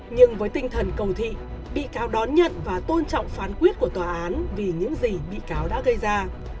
nhưng với tinh thần cầu thị bị cáo đón nhận và tôn trọng phán quyết của tòa án vì những gì bị cáo đã gây ra